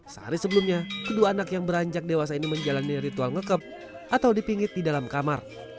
sehari sebelumnya kedua anak yang beranjak dewasa ini menjalani ritual ngekep atau dipingit di dalam kamar